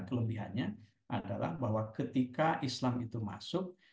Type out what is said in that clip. kelebihannya adalah bahwa ketika islam itu masuk